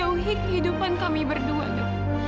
tolong jauhi kehidupan kami berdua do